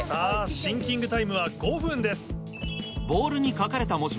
シンキングタイムは５分です。